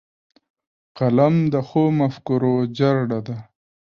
قلم د ښو مفکورو جرړه ده